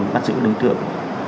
bắt giữ đối tượng